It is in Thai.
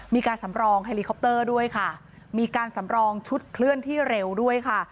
มีการสำรองเฮลิคอปเตอร์ด้วยค่ะมีการสำรองชุดเคลื่อนที่เร็วด้วยค่ะ